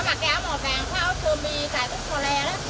nó mặc cái áo màu vàng khóa áo thơm đi cài bút khò le đó